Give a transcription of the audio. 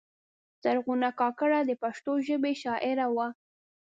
زرغونه کاکړه د پښتو ژبې شاعره وه.